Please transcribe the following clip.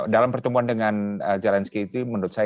dalam pertemuan dengan zelensky itu menurut saya